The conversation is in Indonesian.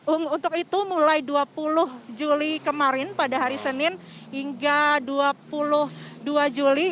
untuk itu mulai dua puluh juli kemarin pada hari senin hingga dua puluh dua juli